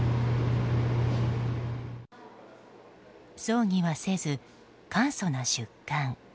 葬儀はせず簡素な出棺。